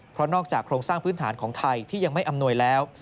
เพราะนอกจากโครงสร้างพื้นฐานของไทยที่ยังไม่อำนวยแล้ว